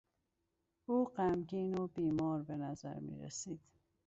او غمگین و بیمار به نظر میرسید.